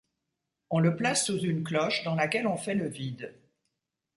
On le place sous une cloche dans laquelle on fait le vide.